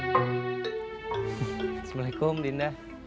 wasalamu alaikum dinda